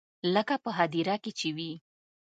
لکه په هديره کښې چې وي.